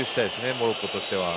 モロッコとしては。